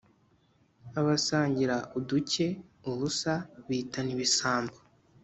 Abasangira uduke (ubusa) bitana ibisambo.